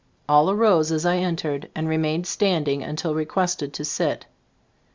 All arose as I entered, and remained standing until requested to sit.